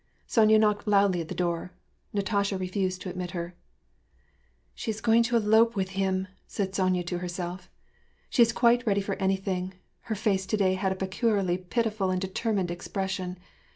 Sonya knocked loudly at her door. Natasha refused to admit her. " She is going to elope with him !" said Sonya to herself. "She is quite ready for anything. Her face to day had a peculiarly pitiful and determined expression.